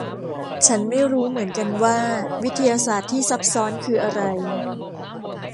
ฉันไม่รู้เหมือนกันว่าวิทยาศาสตร์ที่ซับซ้อนคืออะไร